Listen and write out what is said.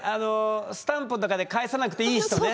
スタンプとかで返さなくていい人ね。